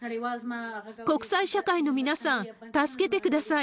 国際社会の皆さん、助けてください。